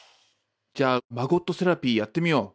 じゃあマゴットセラピーやってみよう。